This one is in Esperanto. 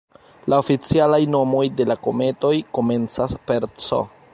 La oficialaj nomoj de la kometoj komencas per "C".